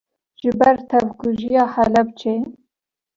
ji ber tevkujiya Helepçê